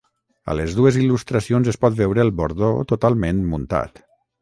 A les dues il·lustracions es pot veure el bordó totalment muntat.